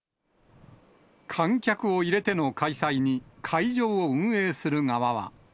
観客を入れての開催に、会場を運営する側は。